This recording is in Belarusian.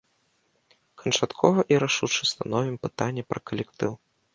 Канчаткова і рашуча становім пытанне пра калектыў.